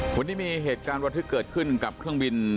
วันนี้มีเหตุการณ์ระทึกเกิดขึ้นกับเครื่องบิน